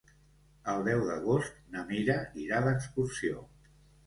El deu d'agost na Mira irà d'excursió.